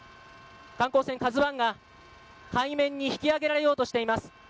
観光船「ＫＡＺＵ１」が海面に引き揚げられようとしています。